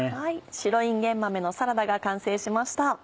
白いんげん豆のサラダが完成しました。